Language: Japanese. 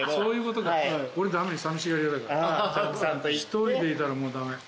１人でいたらもう駄目。